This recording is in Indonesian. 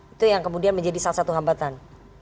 itu yang kemudian menjadi salah satu hambatan